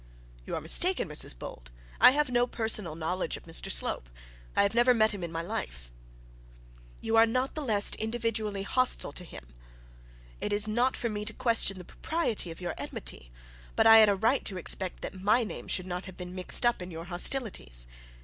'You are mistaken, Mrs Bold. I have no personal knowledge of Mr Slope; I have never met him in my life.' 'You are not the less individually hostile to him. It is not for me to question the propriety of your enmity; but I had a right to expect that my name should not have been mixed up in your hostilities.